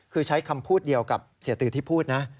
คือใช้คำพูดเดียวกับเสียตือที่พูดนะ